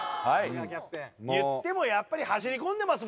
いってもやっぱり走り込んでます